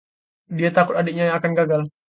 Dia takut adiknya akan gagal.